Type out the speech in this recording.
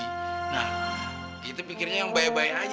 nah kita pikirnya yang baik baik aja